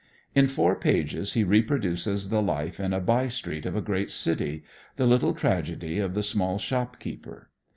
In four pages he reproduces the life in a by street of a great city, the little tragedy of the small shopkeeper.